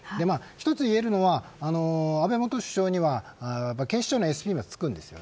一つ言えるのは、安倍元首相には警視庁のＳＰがつくんです。